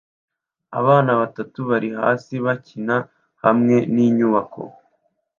Abana batatu bari hasi bakina hamwe ninyubako